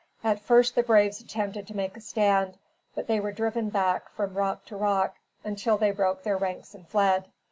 At first the braves attempted to make a stand, but they were driven from rock to rock, until they broke their ranks and fled.